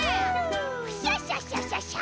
「クシャシャシャシャ！